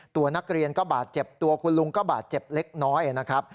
ตัวนักเรียนก็บาดเจ็บตัวคุณลุงก็บาดเจ็บเล็กน้อยนะครับ